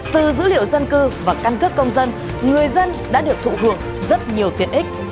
từ dữ liệu dân cư và căn cước công dân người dân đã được thụ hưởng rất nhiều tiện ích